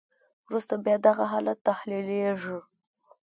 وروسته بیا دغه حالت تحلیلیږي.